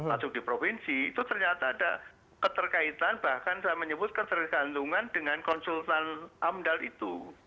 masuk di provinsi itu ternyata ada keterkaitan bahkan saya menyebut ketergantungan dengan konsultan amdal itu